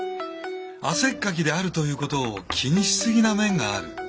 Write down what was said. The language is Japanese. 汗っかきであるということを気にしすぎな面がある。